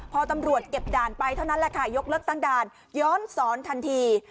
พอตำรวจเก็บด่านไปเท่านั้นแหละค่ะยกเลิกตั้งด่านย้อนสอนทันที